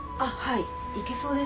いけそうですか？